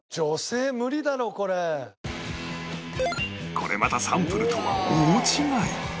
これまたサンプルとは大違い